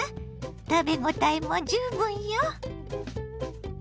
食べ応えも十分よ！